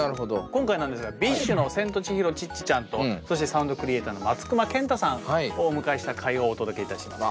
今回なんですがＢｉＳＨのセントチヒロ・チッチちゃんとそしてサウンドクリエイターの松隈ケンタさんをお迎えした回をお届けいたします。